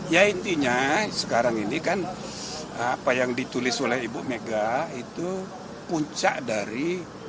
ya intinya sekarang ini kan apa yang ditulis oleh ibu mega itu puncak dari